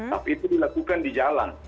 tapi itu dilakukan di jalan